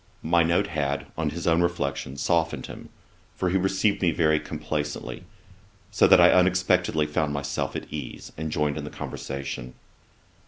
My note had, on his own reflection, softened him, for he received me very complacently; so that I unexpectedly found myself at ease, and joined in the conversation.